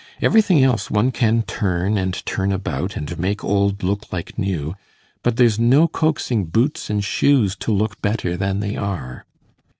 Everything else one can turn and turn about, and make old look like new; but there's no coaxing boots and shoes to look better than they are.